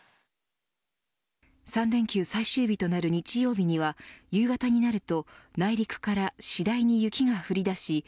３連休最終日となる日曜日には夕方になると内陸から次第に雪が降り出し